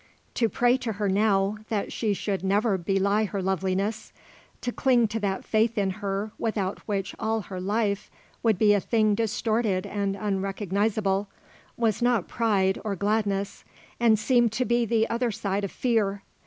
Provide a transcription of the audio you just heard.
To pray to her now that she should never belie her loveliness, to cling to that faith in her without which all her life would be a thing distorted and unrecognisable, was not pride or gladness and seemed to be the other side of fear.